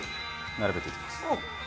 並べていきます。